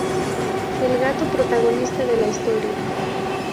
El gato protagonista de la historia.